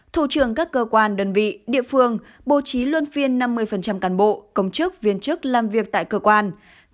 thủ trường các cơ quan đơn vị địa phương bố trí luân phiên năm mươi cán bộ công chức viên chức làm việc tại cơ quan